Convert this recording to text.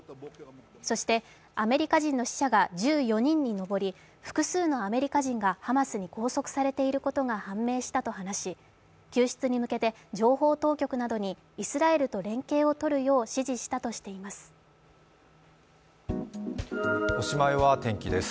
そしてアメリカ人の死者が１４人に上り、複数のアメリカ人がハマスに拘束されていることが判明したと話し救出に向けて情報当局などにイスラエルと連携を取るようにおしまいは天気です。